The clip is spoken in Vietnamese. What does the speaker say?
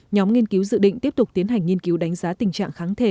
nhóm nghiên cứu dự định tiếp tục tiến hành nghiên cứu đánh giá tình trạng kháng thể